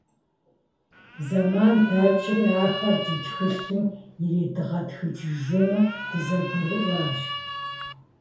Зэман дэкӀри, ахэр ди тхылъым иредгъэтхыкӀыжыну дызэгурыӀуащ.